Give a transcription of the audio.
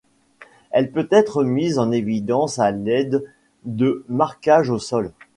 Elle peut être mise en évidence à l'aide de marquages au sol.